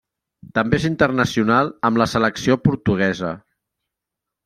També és internacional amb la selecció portuguesa.